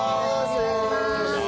お願いします。